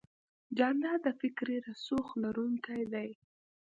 جانداد د فکري رسوخ لرونکی دی.